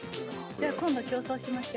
じゃ、今度、競争しましょう！